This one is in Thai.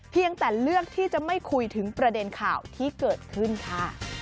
เพียงแต่เลือกที่จะไม่คุยถึงประเด็นข่าวที่เกิดขึ้นค่ะ